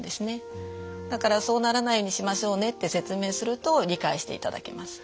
だからそうならないようにしましょうねって説明すると理解していただけます。